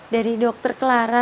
dari dokter kelara